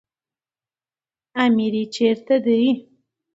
اميري چيري دئ؟